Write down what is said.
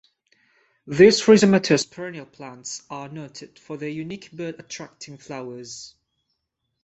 These rhizomatous perennial plants are noted for their unique bird attracting flowers.